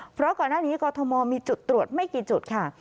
เพราะก่อนหน้านี้กรทมมีจุดตรวจไม่กี่จุดค่ะ